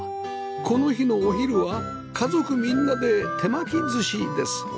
この日のお昼は家族みんなで手巻き寿司です